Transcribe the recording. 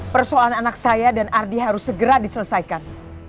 persoalan anak saya dan ardi harus segera diselesaikan